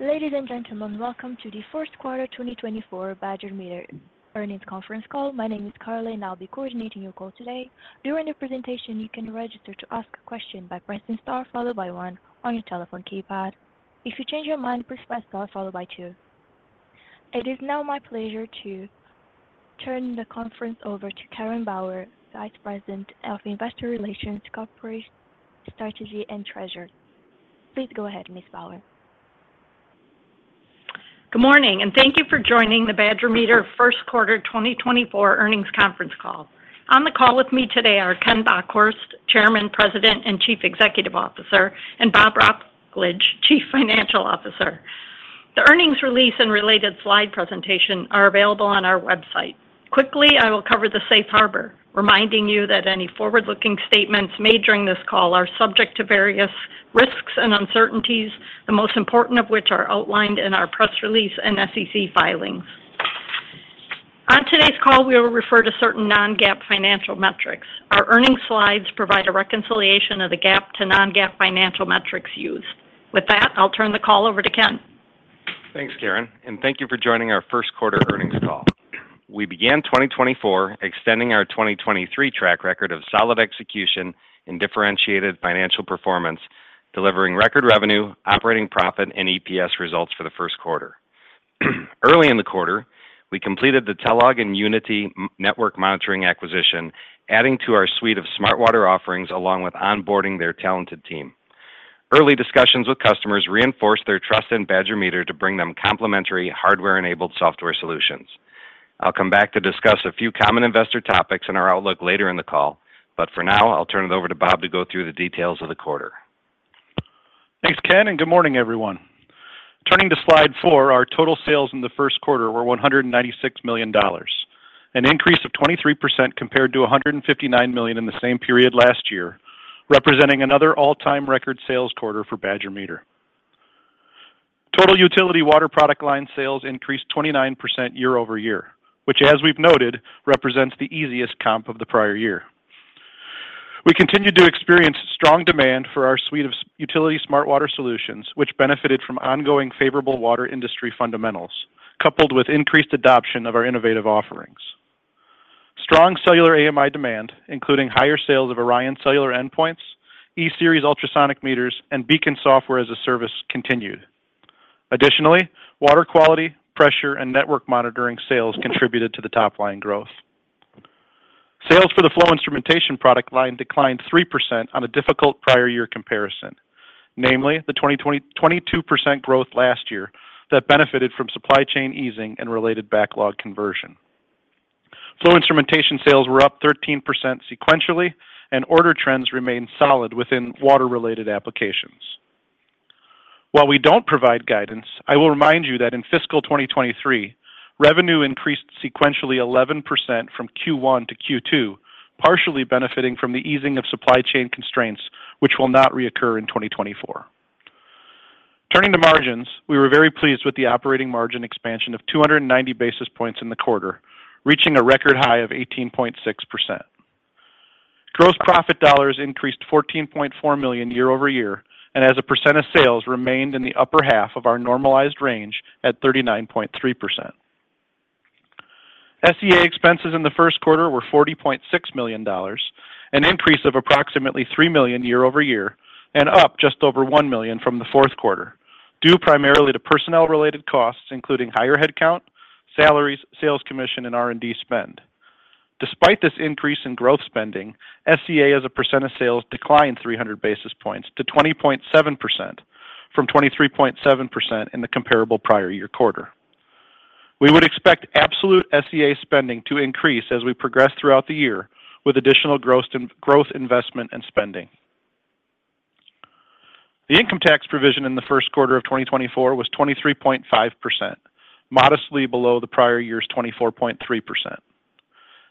Ladies and gentlemen, welcome to the first quarter 2024 Badger Meter Earnings Conference Call. My name is Carla, and I'll be coordinating your call today. During the presentation, you can register to ask a question by pressing star followed by one on your telephone keypad. If you change your mind, press star followed by two. It is now my pleasure to turn the conference over to Karen Bauer, Vice President of Investor Relations, Corporate Strategy, and Treasurer. Please go ahead, Ms. Bauer. Good morning, and thank you for joining the Badger Meter first quarter 2024 earnings conference call. On the call with me today are Ken Bockhorst, Chairman, President, and Chief Executive Officer, and Bob Wrocklage, Chief Financial Officer. The earnings release and related slide presentation are available on our website. Quickly, I will cover the safe harbor, reminding you that any forward-looking statements made during this call are subject to various risks and uncertainties, the most important of which are outlined in our press release and SEC filings. On today's call, we will refer to certain non-GAAP financial metrics. Our earnings slides provide a reconciliation of the GAAP to non-GAAP financial metrics used. With that, I'll turn the call over to Ken. Thanks, Karen, and thank you for joining our first quarter earnings call. We began 2024 extending our 2023 track record of solid execution and differentiated financial performance, delivering record revenue, operating profit, and EPS results for the first quarter. Early in the quarter, we completed the Telog and Unity Network Monitoring acquisition, adding to our suite of Smart Water offerings, along with onboarding their talented team. Early discussions with customers reinforced their trust in Badger Meter to bring them complementary hardware-enabled software solutions. I'll come back to discuss a few common investor topics and our outlook later in the call, but for now, I'll turn it over to Bob to go through the details of the quarter. Thanks, Ken, and good morning, everyone. Turning to slide four, our total sales in the first quarter were $196 million, an increase of 23% compared to $159 million in the same period last year, representing another all-time record sales quarter for Badger Meter. Total utility water product line sales increased 29% year-over-year, which, as we've noted, represents the easiest comp of the prior year. We continued to experience strong demand for our suite of utility Smart Water Solutions, which benefited from ongoing favorable water industry fundamentals, coupled with increased adoption of our innovative offerings. Strong cellular AMI demand, including higher sales of ORION cellular endpoints, E-Series Ultrasonic meters, and BEACON software as a service, continued. Additionally, water quality, pressure, and network monitoring sales contributed to the top-line growth. Sales for the flow instrumentation product line declined 3% on a difficult prior year comparison, namely the 20,22% growth last year that benefited from supply chain easing and related backlog conversion. Flow instrumentation sales were up 13% sequentially, and order trends remained solid within water-related applications. While we don't provide guidance, I will remind you that in fiscal 2023, revenue increased sequentially 11% from Q1 to Q2, partially benefiting from the easing of supply chain constraints, which will not reoccur in 2024. Turning to margins, we were very pleased with the operating margin expansion of 290 basis points in the quarter, reaching a record high of 18.6%. Gross profit dollars increased $14.4 million year-over-year, and as a percent of sales, remained in the upper half of our normalized range at 39.3%. SEA expenses in the first quarter were $40.6 million, an increase of approximately $3 million year-over-year, and up just over $1 million from the fourth quarter, due primarily to personnel-related costs, including higher headcount, salaries, sales commission, and R&D spend. Despite this increase in growth spending, SEA, as a percent of sales, declined 300 basis points to 20.7% from 23.7% in the comparable prior year quarter. We would expect absolute SEA spending to increase as we progress throughout the year with additional growth and, growth investment and spending. The income tax provision in the first quarter of 2024 was 23.5%, modestly below the prior year's 24.3%.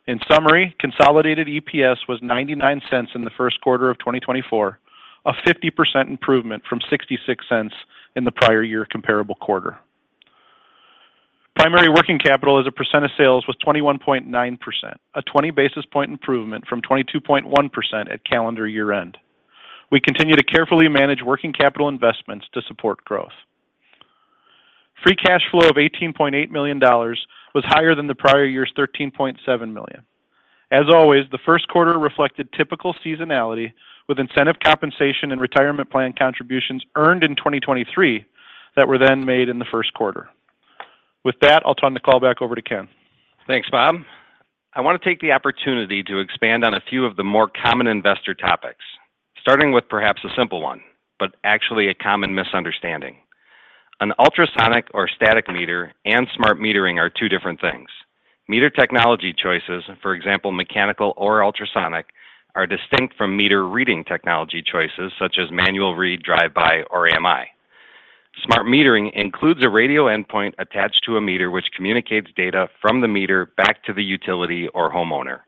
In summary, consolidated EPS was $0.99 in the first quarter of 2024, a 50% improvement from $0.66 in the prior year comparable quarter. Primary working capital as a percent of sales was 21.9%, a 20 basis point improvement from 22.1% at calendar year-end. We continue to carefully manage working capital investments to support growth. Free cash flow of $18.8 million was higher than the prior year's $13.7 million. As always, the first quarter reflected typical seasonality, with incentive compensation and retirement plan contributions earned in 2023 that were then made in the first quarter. With that, I'll turn the call back over to Ken. Thanks, Bob. I want to take the opportunity to expand on a few of the more common investor topics, starting with perhaps a simple one, but actually a common misunderstanding. An ultrasonic or static meter and smart metering are two different things. Meter technology choices, for example, mechanical or ultrasonic, are distinct from meter reading technology choices, such as manual read, drive-by, or AMI. Smart metering includes a radio endpoint attached to a meter, which communicates data from the meter back to the utility or homeowner.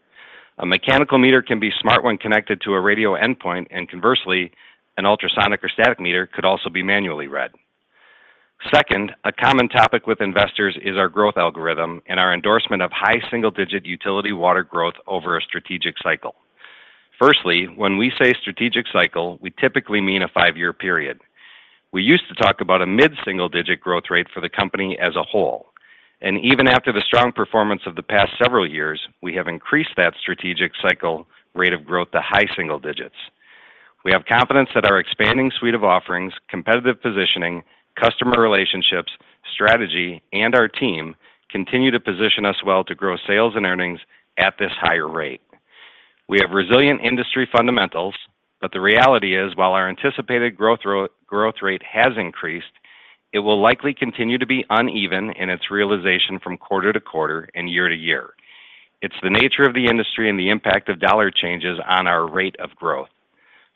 A mechanical meter can be smart when connected to a radio endpoint, and conversely, an ultrasonic or static meter could also be manually read. Second, a common topic with investors is our growth algorithm and our endorsement of high single-digit utility water growth over a strategic cycle. Firstly, when we say strategic cycle, we typically mean a five-year period. We used to talk about a mid-single-digit growth rate for the company as a whole, and even after the strong performance of the past several years, we have increased that strategic cycle rate of growth to high single digits. We have confidence that our expanding suite of offerings, competitive positioning, customer relationships, strategy, and our team continue to position us well to grow sales and earnings at this higher rate. We have resilient industry fundamentals, but the reality is, while our anticipated growth growth rate has increased, it will likely continue to be uneven in its realization from quarter to quarter and year to year. It's the nature of the industry and the impact of dollar changes on our rate of growth.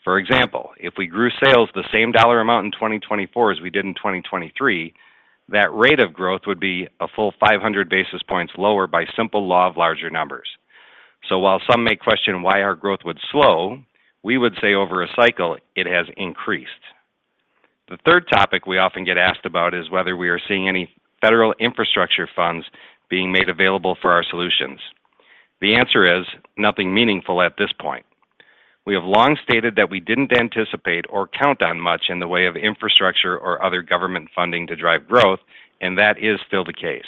For example, if we grew sales the same dollar amount in 2024 as we did in 2023, that rate of growth would be a full 500 basis points lower by simple law of larger numbers. So while some may question why our growth would slow, we would say over a cycle it has increased. The third topic we often get asked about is whether we are seeing any federal infrastructure funds being made available for our solutions. The answer is nothing meaningful at this point. We have long stated that we didn't anticipate or count on much in the way of infrastructure or other government funding to drive growth, and that is still the case.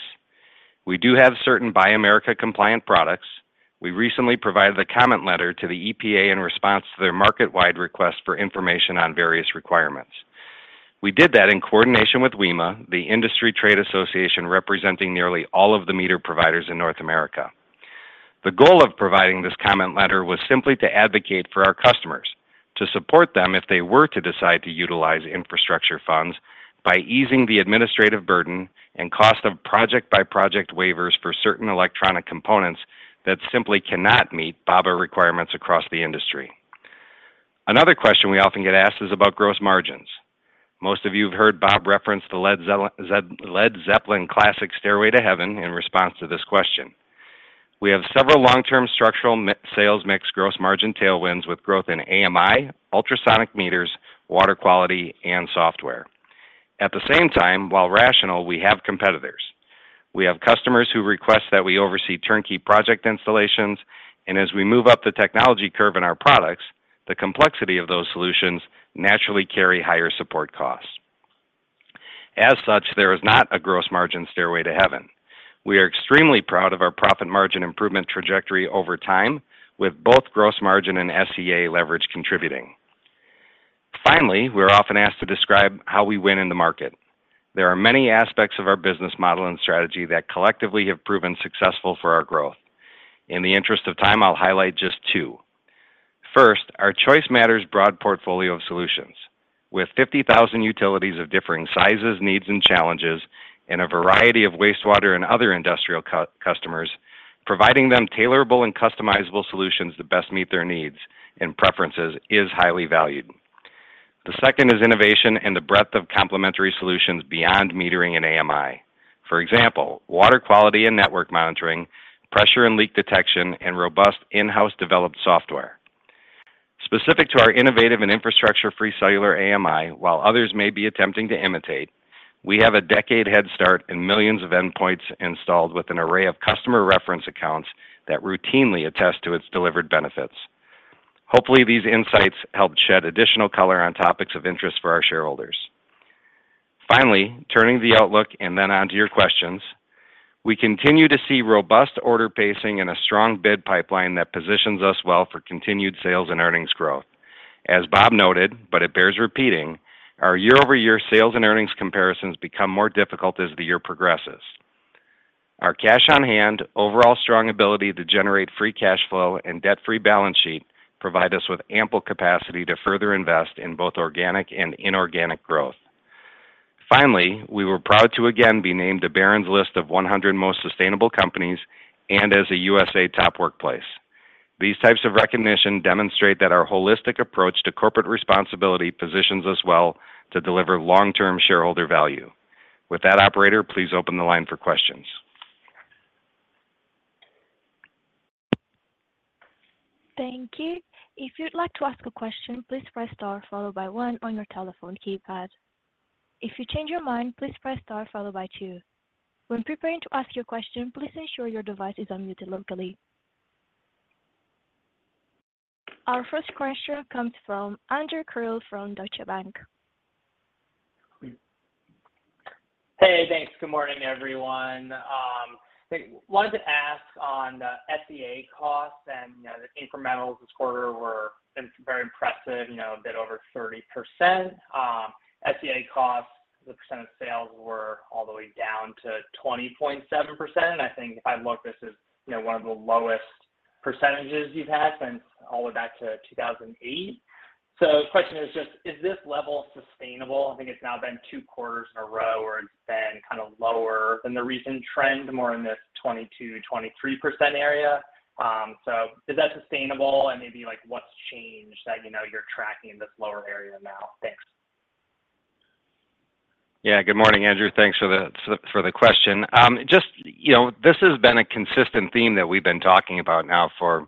We do have certain Buy America compliant products. We recently provided a comment letter to the EPA in response to their market-wide request for information on various requirements. We did that in coordination with WWEMA, the industry trade association, representing nearly all of the meter providers in North America. The goal of providing this comment letter was simply to advocate for our customers, to support them if they were to decide to utilize infrastructure funds by easing the administrative burden and cost of project-by-project waivers for certain electronic components that simply cannot meet BABA requirements across the industry. Another question we often get asked is about gross margins. Most of you have heard Bob reference the Led Zeppelin classic, "Stairway to Heaven" in response to this question. We have several long-term structural sales mix, gross margin tailwinds with growth in AMI, ultrasonic meters, water quality, and software. At the same time, while rational, we have competitors. We have customers who request that we oversee turnkey project installations, and as we move up the technology curve in our products, the complexity of those solutions naturally carry higher support costs. As such, there is not a gross margin stairway to heaven. We are extremely proud of our profit margin improvement trajectory over time, with both gross margin and SEA leverage contributing. Finally, we're often asked to describe how we win in the market. There are many aspects of our business model and strategy that collectively have proven successful for our growth. In the interest of time, I'll highlight just two. First, our Choice Matters broad portfolio of solutions. With 50,000 utilities of differing sizes, needs, and challenges, and a variety of wastewater and other industrial customers, providing them tailorable and customizable solutions that best meet their needs and preferences is highly valued. The second is innovation and the breadth of complementary solutions beyond metering and AMI. For example, water quality and network monitoring, pressure and leak detection, and robust in-house developed software. Specific to our innovative and infrastructure-free cellular AMI, while others may be attempting to imitate, we have a decade head start and millions of endpoints installed with an array of customer reference accounts that routinely attest to its delivered benefits. Hopefully, these insights help shed additional color on topics of interest for our shareholders. Finally, turning to the outlook and then onto your questions. We continue to see robust order pacing and a strong bid pipeline that positions us well for continued sales and earnings growth. As Bob noted, but it bears repeating, our year-over-year sales and earnings comparisons become more difficult as the year progresses. Our cash on hand, overall strong ability to generate free cash flow, and debt-free balance sheet provide us with ample capacity to further invest in both organic and inorganic growth. Finally, we were proud to again be named a Barron's list of 100 most sustainable companies and as a USA top workplace. These types of recognition demonstrate that our holistic approach to corporate responsibility positions us well to deliver long-term shareholder value. With that, operator, please open the line for questions. Thank you. If you'd like to ask a question, please press star followed by one on your telephone keypad. If you change your mind, please press star followed by two. When preparing to ask your question, please ensure your device is unmuted locally. Our first question comes from Andrew Krill from Deutsche Bank. Hey, thanks. Good morning, everyone. Wanted to ask on the SG&A costs and, you know, the incrementals this quarter were very impressive, you know, a bit over 30%. SG&A costs, the percent of sales were all the way down to 20.7%. I think if I look, this is, you know, one of the lowest percentages you've had since all the way back to 2008. So the question is just: Is this level sustainable? I think it's now been two quarters in a row where it's been kind of lower than the recent trend, more in this 22%,23% area. So is that sustainable? And maybe, like, what's changed that, you know, you're tracking in this lower area now? Thanks. Yeah. Good morning, Andrew. Thanks for the question. Just, you know, this has been a consistent theme that we've been talking about now for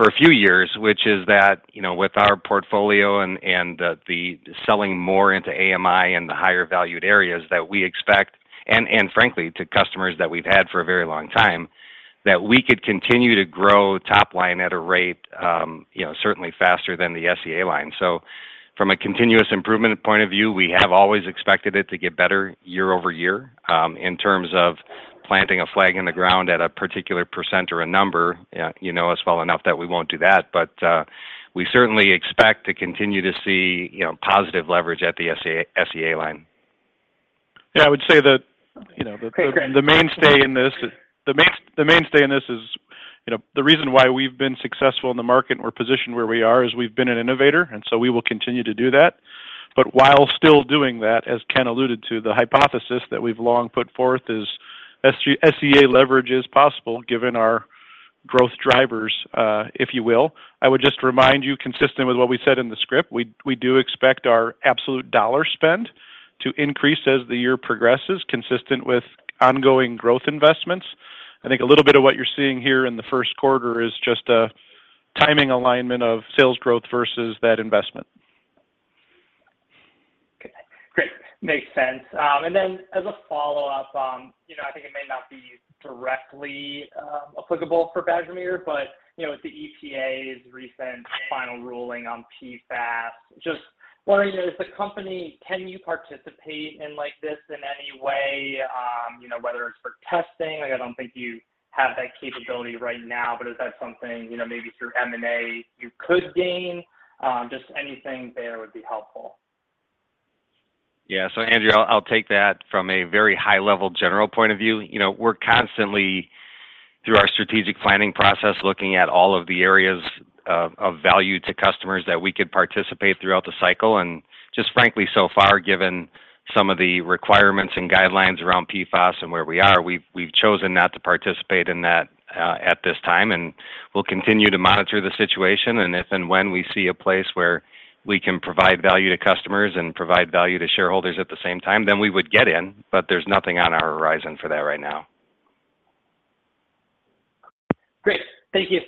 a few years, which is that, you know, with our portfolio and the selling more into AMI and the higher valued areas that we expect, and frankly, to customers that we've had for a very long time... that we could continue to grow top line at a rate, you know, certainly faster than the SG&A line. So from a continuous improvement point of view, we have always expected it to get better year-over-year. In terms of planting a flag in the ground at a particular percent or a number, you know us well enough that we won't do that. We certainly expect to continue to see, you know, positive leverage at the SG&A line. Yeah, I would say that, you know, the- Great. The mainstay in this is, you know, the reason why we've been successful in the market and we're positioned where we are, is we've been an innovator, and so we will continue to do that. But while still doing that, as Ken alluded to, the hypothesis that we've long put forth is SG&A leverage is possible, given our growth drivers, if you will. I would just remind you, consistent with what we said in the script, we do expect our absolute dollar spend to increase as the year progresses, consistent with ongoing growth investments. I think a little bit of what you're seeing here in the first quarter is just a timing alignment of sales growth versus that investment. Okay, great. Makes sense. And then as a follow-up, you know, I think it may not be directly applicable for Badger Meter, but, you know, with the EPA's recent final ruling on PFAS, just wondering, as a company, can you participate in like this in any way, you know, whether it's for testing? Like, I don't think you have that capability right now, but is that something, you know, maybe through M&A you could gain? Just anything there would be helpful. Yeah. So, Andrew, I'll, I'll take that from a very high-level, general point of view. You know, we're constantly, through our strategic planning process, looking at all of the areas of, of value to customers that we could participate throughout the cycle. And just frankly, so far, given some of the requirements and guidelines around PFAS and where we are, we've, we've chosen not to participate in that at this time, and we'll continue to monitor the situation. And if and when we see a place where we can provide value to customers and provide value to shareholders at the same time, then we would get in, but there's nothing on our horizon for that right now. Great. Thank you.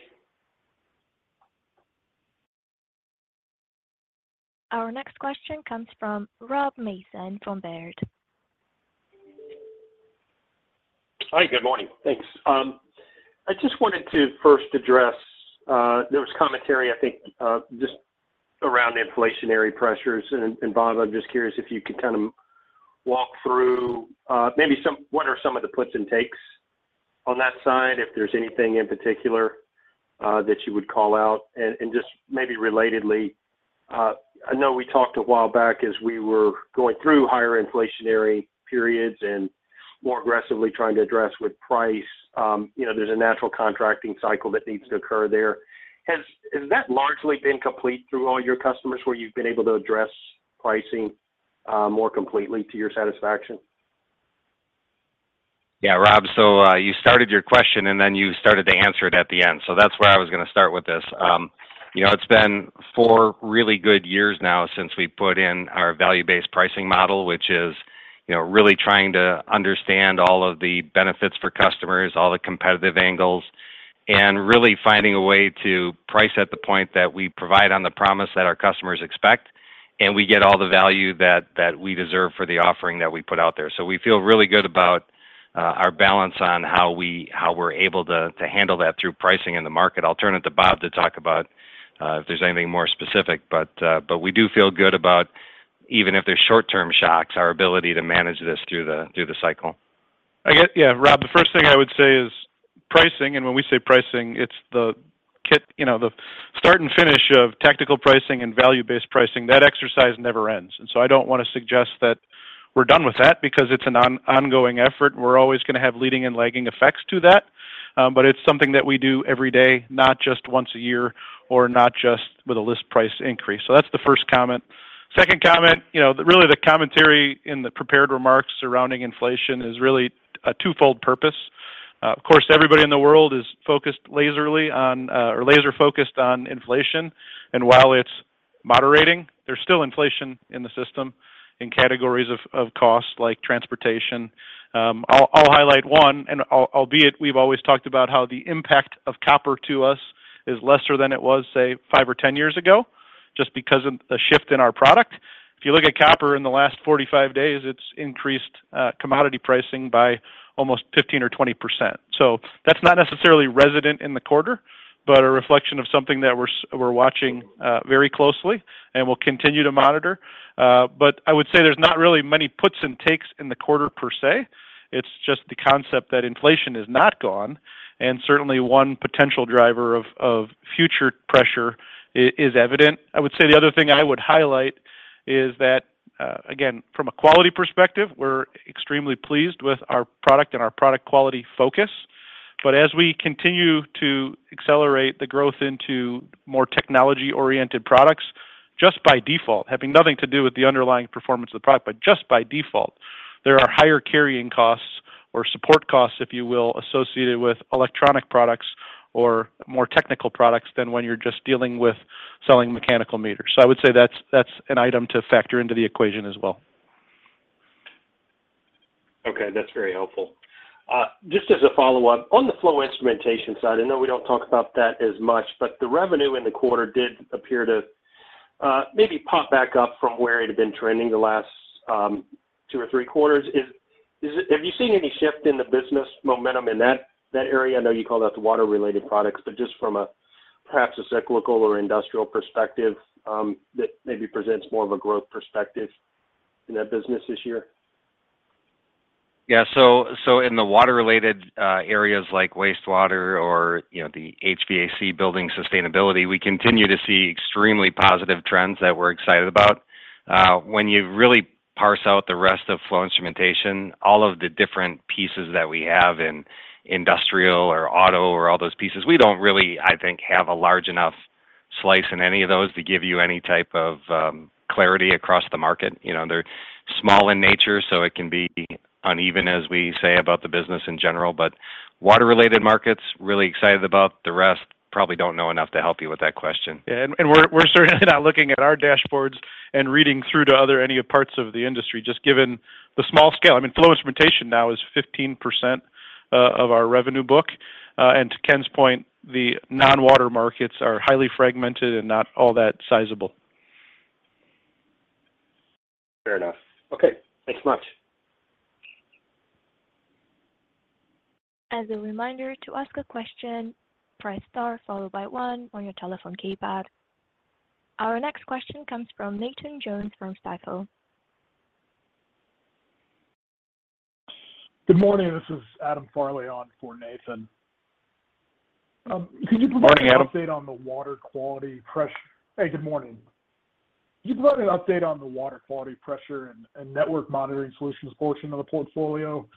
Our next question comes from Rob Mason from Baird. Hi, good morning. Thanks. I just wanted to first address, there was commentary, I think, just around the inflationary pressures. And, Bob, I'm just curious if you could kind of walk through, maybe some—what are some of the puts and takes on that side, if there's anything in particular, that you would call out? And, just maybe relatedly, I know we talked a while back as we were going through higher inflationary periods and more aggressively trying to address with price, you know, there's a natural contracting cycle that needs to occur there. Has that largely been complete through all your customers, where you've been able to address pricing, more completely to your satisfaction? Yeah, Rob, so, you started your question, and then you started to answer it at the end. So that's where I was gonna start with this. You know, it's been four really good years now since we put in our value-based pricing model, which is, you know, really trying to understand all of the benefits for customers, all the competitive angles, and really finding a way to price at the point that we provide on the promise that our customers expect, and we get all the value that we deserve for the offering that we put out there. So we feel really good about our balance on how we're able to handle that through pricing in the market. I'll turn it to Bob to talk about if there's anything more specific, but, but we do feel good about, even if there's short-term shocks, our ability to manage this through the cycle. Rob, the first thing I would say is pricing, and when we say pricing, it's the kit, you know, the start and finish of tactical pricing and value-based pricing. That exercise never ends. And so I don't wanna suggest that we're done with that because it's an ongoing effort. We're always gonna have leading and lagging effects to that, but it's something that we do every day, not just once a year or not just with a list price increase. So that's the first comment. Second comment, you know, really the commentary in the prepared remarks surrounding inflation is really a twofold purpose. Of course, everybody in the world is laser-focused on inflation, and while it's moderating, there's still inflation in the system in categories of cost, like transportation. I'll highlight one, and albeit we've always talked about how the impact of copper to us is lesser than it was, say, five or 10 years ago, just because of the shift in our product. If you look at copper in the last 45 days, it's increased commodity pricing by almost 15% or 20%. So that's not necessarily resident in the quarter, but a reflection of something that we're watching very closely and we'll continue to monitor. But I would say there's not really many puts and takes in the quarter per se. It's just the concept that inflation is not gone, and certainly one potential driver of future pressure is evident. I would say the other thing I would highlight is that, again, from a quality perspective, we're extremely pleased with our product and our product quality focus. But as we continue to accelerate the growth into more technology-oriented products, just by default, having nothing to do with the underlying performance of the product, but just by default, there are higher carrying costs or support costs, if you will, associated with electronic products or more technical products than when you're just dealing with selling mechanical meters. So I would say that's, that's an item to factor into the equation as well. Okay, that's very helpful. Just as a follow-up, on the flow instrumentation side, I know we don't talk about that as much, but the revenue in the quarter did appear to-... maybe pop back up from where it had been trending the last two or three quarters. Is -- have you seen any shift in the business momentum in that area? I know you call that the water-related products, but just from a perhaps a cyclical or industrial perspective, that maybe presents more of a growth perspective in that business this year? Yeah, so, so in the water-related areas like wastewater or, you know, the HVAC building sustainability, we continue to see extremely positive trends that we're excited about. When you really parse out the rest of flow instrumentation, all of the different pieces that we have in industrial or auto or all those pieces, we don't really, I think, have a large enough slice in any of those to give you any type of clarity across the market. You know, they're small in nature, so it can be uneven, as we say about the business in general, but water-related markets, really excited about. The rest, probably don't know enough to help you with that question. Yeah, and we're certainly not looking at our dashboards and reading through to other any parts of the industry, just given the small scale. I mean, flow instrumentation now is 15% of our revenue book. And to Ken's point, the non-water markets are highly fragmented and not all that sizable. Fair enough. Okay, thanks much. As a reminder, to ask a question, press star followed by one on your telephone keypad. Our next question comes from Nathan Jones from Stifel. Good morning, this is Adam Farley on for Nathan. Could you provide- Morning, Adam Hey, good morning. Can you provide an update on the water quality products and network monitoring solutions portion of the portfolio?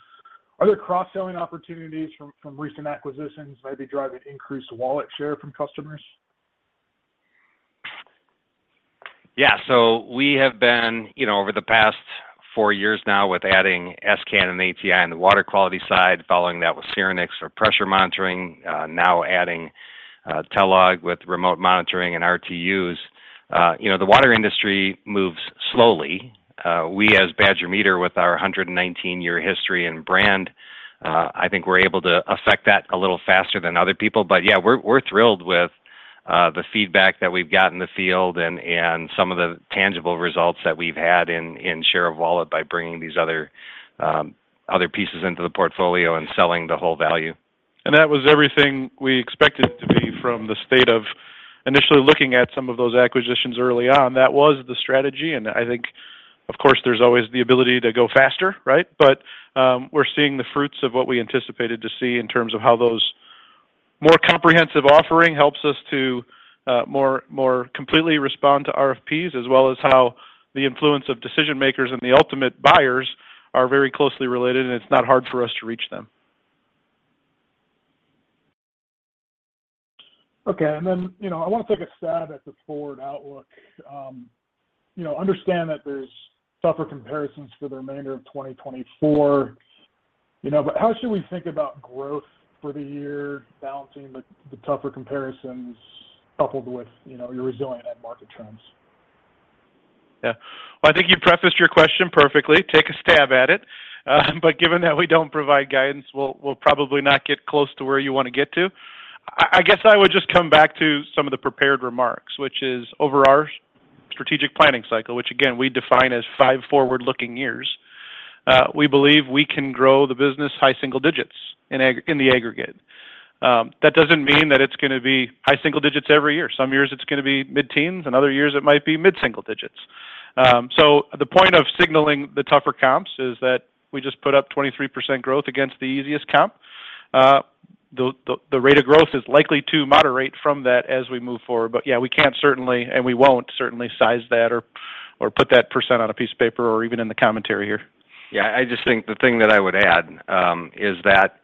Are there cross-selling opportunities from recent acquisitions, maybe driving increased wallet share from customers? Yeah, so we have been, you know, over the past four years now with adding s::can and ATI on the water quality side, following that with Syrinix for pressure monitoring, now adding Telog with remote monitoring and RTUs. You know, the water industry moves slowly. We, as Badger Meter, with our 119-year history and brand, I think we're able to affect that a little faster than other people. But, yeah, we're thrilled with the feedback that we've got in the field and some of the tangible results that we've had in share of wallet by bringing these other pieces into the portfolio and selling the whole value. And that was everything we expected it to be from the start of initially looking at some of those acquisitions early on. That was the strategy, and I think, of course, there's always the ability to go faster, right? But, we're seeing the fruits of what we anticipated to see in terms of how those more comprehensive offering helps us to more completely respond to RFPs, as well as how the influence of decision-makers and the ultimate buyers are very closely related, and it's not hard for us to reach them. Okay, and then, you know, I wanna take a stab at the forward outlook. You know, understand that there's tougher comparisons for the remainder of 2024, you know, but how should we think about growth for the year, balancing the, the tougher comparisons coupled with, you know, your resilient end market trends? Yeah. Well, I think you prefaced your question perfectly. Take a stab at it. But given that we don't provide guidance, we'll, we'll probably not get close to where you want to get to. I, I guess I would just come back to some of the prepared remarks, which is over our strategic planning cycle, which again, we define as five forward-looking years, we believe we can grow the business high single digits in the aggregate. That doesn't mean that it's gonna be high single digits every year. Some years it's gonna be mid-teens, and other years it might be mid-single digits. So the point of signaling the tougher comps is that we just put up 23% growth against the easiest comp. The rate of growth is likely to moderate from that as we move forward, but yeah, we can't certainly, and we won't certainly size that or, or put that percent on a piece of paper or even in the commentary here. Yeah, I just think the thing that I would add is that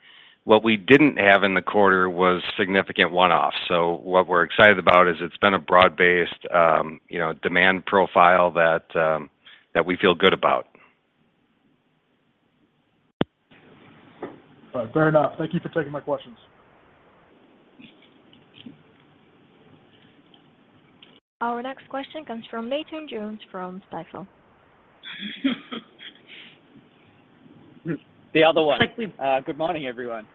what we didn't have in the quarter was significant one-offs. So what we're excited about is it's been a broad-based, you know, demand profile that we feel good about. All right. Fair enough. Thank you for taking my questions. Our next question comes from Nathan Jones from Stifel. The other one. likely- Good morning, everyone.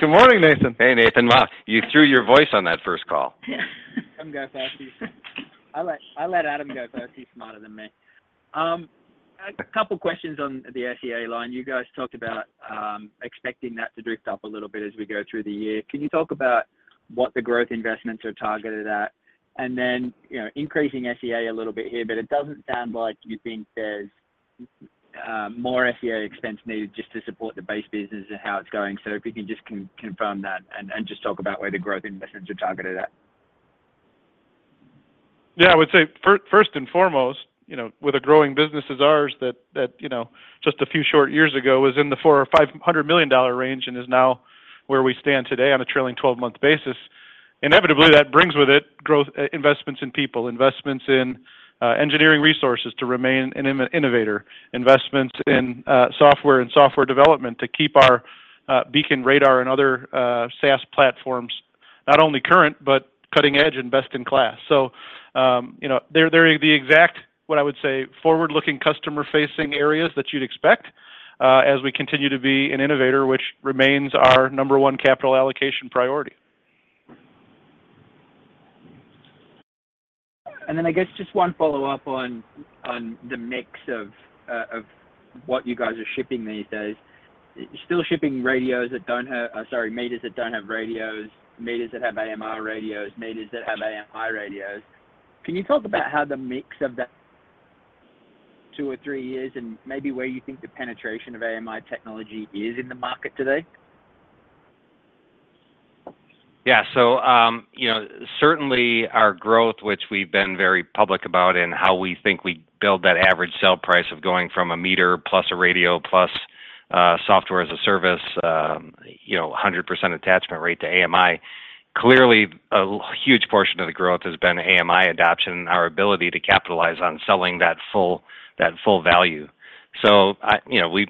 Good morning, Nathan. Hey, Nathan. Wow, you threw your voice on that first call. I'm go first. I let Adam go first. He's smarter than me. A couple questions on the SG&A line. You guys talked about expecting that to drift up a little bit as we go through the year. Can you talk about what the growth investments are targeted at? And then, you know, increasing SG&A a little bit here, but it doesn't sound like you think there's more SG&A expense needed just to support the base business and how it's going. So if you can just confirm that and just talk about where the growth investments are targeted at. Yeah, I would say first and foremost, you know, with a growing business as ours, that you know, just a few short years ago was in the $400 million-$500 million range and is now where we stand today on a trailing twelve-month basis. Inevitably, that brings with it growth, investments in people, investments in engineering resources to remain an innovator, investments in software and software development to keep our BEACON radar and other SaaS platforms, not only current, but cutting-edge and best-in-class. So, you know, they're the exact, what I would say, forward-looking, customer-facing areas that you'd expect as we continue to be an innovator, which remains our number one capital allocation priority. And then I guess just one follow-up on the mix of what you guys are shipping these days. Still shipping radios that don't have - sorry, meters that don't have radios, meters that have AMI radios, meters that have AMI radios. Can you talk about how the mix of the two or three years and maybe where you think the penetration of AMI technology is in the market today? Yeah. So, you know, certainly our growth, which we've been very public about, and how we think we build that average sale price of going from a meter plus a radio plus software as a service, you know, a 100% attachment rate to AMI. Clearly, a huge portion of the growth has been AMI adoption and our ability to capitalize on selling that full value. So, you know, we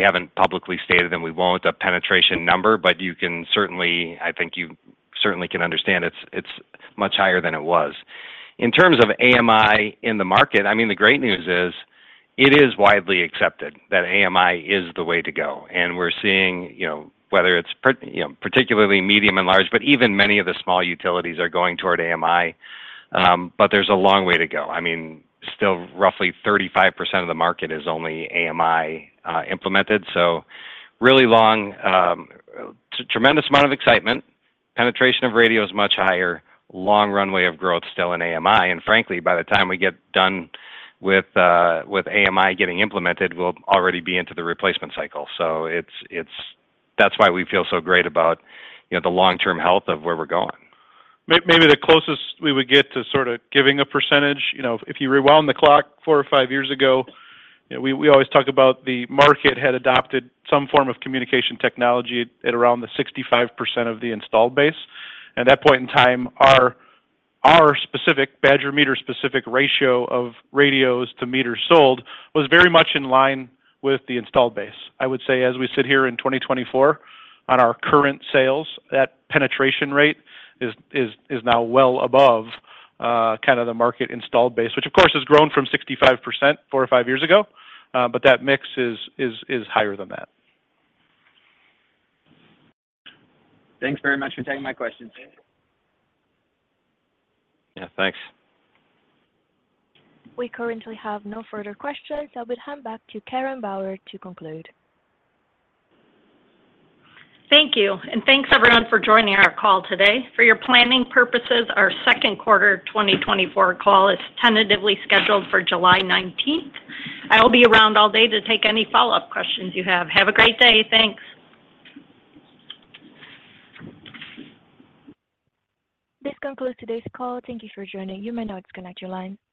haven't publicly stated, and we won't, a penetration number, but you can certainly... I think you certainly can understand it's much higher than it was. In terms of AMI in the market, I mean, the great news is, it is widely accepted that AMI is the way to go, and we're seeing, you know, whether it's part, you know, particularly medium and large, but even many of the small utilities are going toward AMI. But there's a long way to go. I mean, still, roughly 35% of the market is only AMI implemented, so really long, tremendous amount of excitement. Penetration of radio is much higher, long runway of growth still in AMI, and frankly, by the time we get done with AMI getting implemented, we'll already be into the replacement cycle. So it's... That's why we feel so great about, you know, the long-term health of where we're going. Maybe the closest we would get to sort of giving a percentage, you know, if you rewound the clock four or five years ago, you know, we always talk about the market had adopted some form of communication technology at around the 65% of the installed base. At that point in time, our specific Badger Meter specific ratio of radios to meters sold was very much in line with the installed base. I would say, as we sit here in 2024, on our current sales, that penetration rate is now well above kind of the market installed base, which, of course, has grown from 65% four or five years ago, but that mix is higher than that. Thanks very much for taking my questions. Yeah, thanks. We currently have no further questions. I will hand back to Karen Bauer to conclude. Thank you, and thanks, everyone, for joining our call today. For your planning purposes, our second quarter 2024 call is tentatively scheduled for July 19th. I will be around all day to take any follow-up questions you have. Have a great day. Thanks. This concludes today's call. Thank you for joining. You may now disconnect your line.